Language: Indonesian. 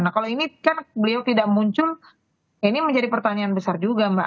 nah kalau ini kan beliau tidak muncul ini menjadi pertanyaan besar juga mbak